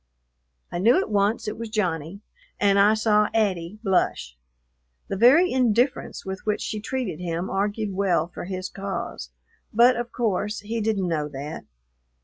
I knew at once it was Johnny, and I saw "'Attie" blush. The very indifference with which she treated him argued well for his cause, but of course he didn't know that.